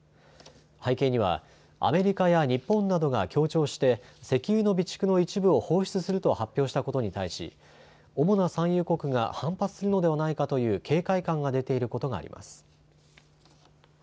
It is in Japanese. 背景にはアメリカや日本などが協調して石油の備蓄の一部を放出すると発表したことに対し主な産油国が反発するのではないかという警戒感が出ていることがあります。